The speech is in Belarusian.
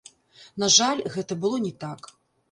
На жаль, гэта было не так.